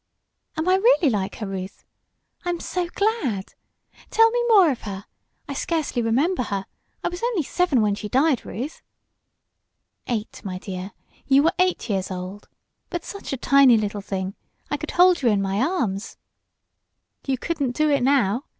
"Am I really like her, Ruth? I'm so glad! Tell me more of her. I scarcely remember her. I was only seven when she died, Ruth." "Eight, my dear. You were eight years old, but such a tiny little thing! I could hold you in my arms." "You couldn't do it now!"